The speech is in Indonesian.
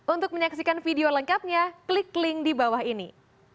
untuk menyaksikan video lengkapnya klik link di bawah ini